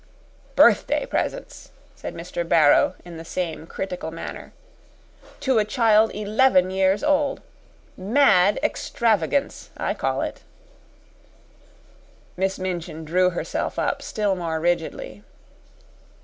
"Birthday presents," said Mr. Barrow in the same critical manner, "to a child eleven years old! Mad extravagance, I call it." Miss Minchin drew herself up still more rigidly.